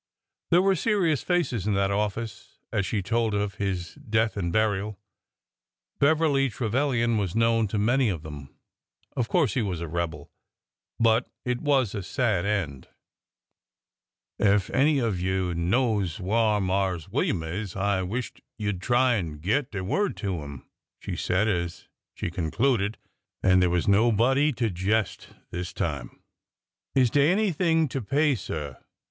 There were serious faces in that office as she told of his death and burial. Beverly Trevilian was known to many of them. Of course he was a rebel— but— it was a sad end ! 326 ORDER NO. 11 Ef any of you knows whar Marse William is, I wisht you 'd try an' git de word to 'im," she said as she con cluded, and there was nobody to jest this time. Is dey anything to pay, sir